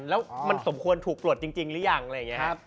แล้วมันสมควรถูกปลดจริงหรือยังอะไรอย่างนี้ครับ